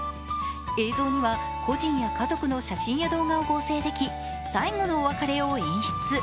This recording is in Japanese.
映像には、故人や家族の写真や動画を合成でき、最後のお別れを演出。